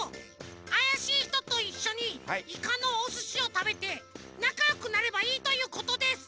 あやしいひとといっしょにいかのおすしをたべてなかよくなればいいということです！